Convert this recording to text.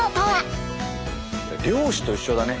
漁師と一緒だね